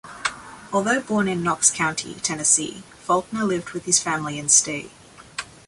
Although born in Knox County, Tennessee, Falkner lived with his family in Ste.